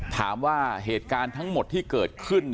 ถามว่าเหตุการณ์ทั้งหมดที่เกิดขึ้น